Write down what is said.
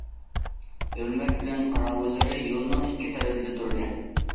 ھۆرمەت قاراۋۇللىرى يولنىڭ ئىككى تەرىپىدە تۇردى.